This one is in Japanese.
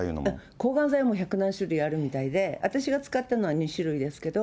抗がん剤もう百何種類あるみたいで、私が使ったのは２種類ですけど。